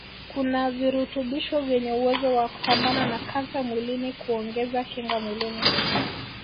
kuna virutubisho vyenye uwezo wa kupambana na kansa mwilini kuongeza kinga mwilini